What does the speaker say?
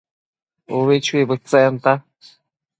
ubi chuibëdtsenta